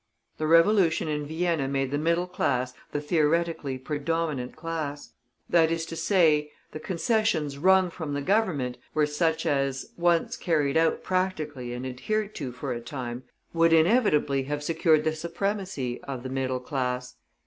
The Revolution in Vienna made the middle class the theoretically predominant class; that is to say, the concessions wrung from the Government were such as, once carried out practically and adhered to for a time, would inevitably have secured the supremacy of the middle class.